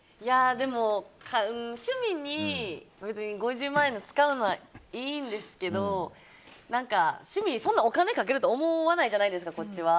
でも、趣味に５０万円使うのはいいんですけど趣味、そんなにお金かけると思わないじゃないですかこっちは。